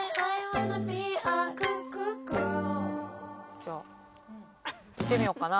じゃあいってみようかな。